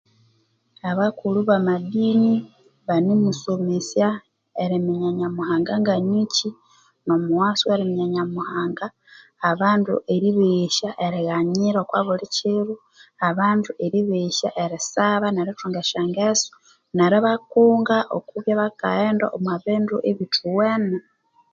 Abakulhu bama dini banemusomesya eriminya nyamuhanga nganikyi, nomughaso oweryanza eriminya Nyamuhanga. Abandu eribehesya erighanyira okwa buli kiro, abandu eribeghesya erisaba nerithunga esyangeso neribakunga okwibya bakaghenda omwa bindu ebithuwene.